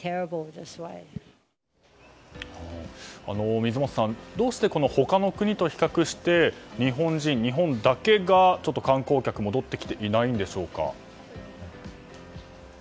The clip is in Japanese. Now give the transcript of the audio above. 水本さんどうして他の国と比較して日本人、日本だけが観光客が戻ってきていないんでしょうか。